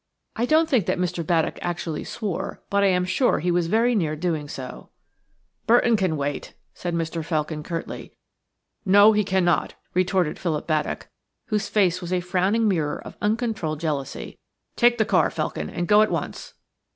I don't think that Mr. Baddock actually swore, but I am sure he was very near doing so. "Burton can wait," said Mr. Felkin, curtly. "No, he cannot," retorted Philip Baddock, whose face was a frowning mirror of uncontrolled jealousy; "take the car, Felkin, and go at once."